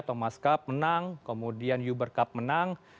thomas cup menang kemudian yuber cup menang